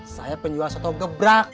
saya penjual soto gebrek